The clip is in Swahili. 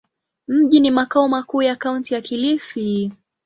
Mji ni makao makuu ya Kaunti ya Kilifi.